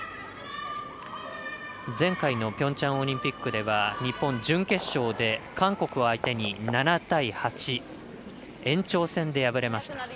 前回のピョンチャンオリンピックでは日本、準決勝で韓国相手に７対８、延長戦で敗れました。